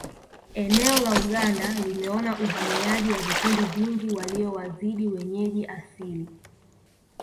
Eneo la Uganda limeona uhamiaji wa vikundi vingi waliowazidi wenyeji asili